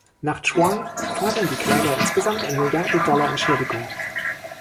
Nach Chuang fordern die Kläger insgesamt eine Milliarde Dollar Entschädigung.